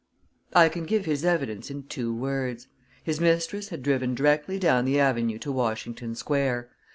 I can give his evidence in two words. His mistress had driven directly down the avenue to Washington Square.